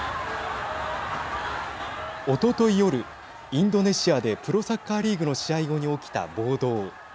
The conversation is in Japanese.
おととい夜、インドネシアでプロサッカーリーグの試合後に起きた暴動。